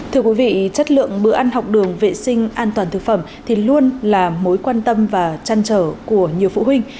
thưa quý vị chất lượng bữa ăn học đường vệ sinh an toàn thực phẩm thì luôn là mối quan tâm và trăn trở của nhiều phụ huynh